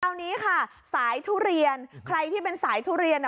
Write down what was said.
เอานี้ค่ะสายทุเรียนใครที่เป็นสายทุเรียน